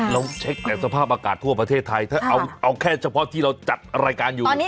เราเช็คแต่สภาพอากาศทั่วประเทศไทยถ้าเอาแค่เฉพาะที่เราจัดรายการอยู่